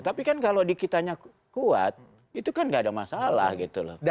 tapi kan kalau dikitanya kuat itu kan gak ada masalah gitu loh